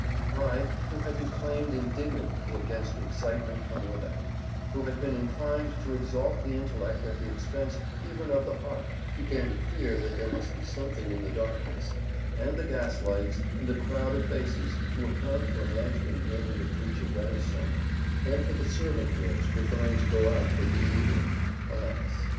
I, who had declaimed indignantly against excitement from without, who had been inclined to exalt the intellect at the expense even of the heart, began to fear that there must be something in the darkness, and the gas lights, and the crowd of faces, to account for a man's being able to preach a better sermon, and for servant girls preferring to go out in the evening. Alas!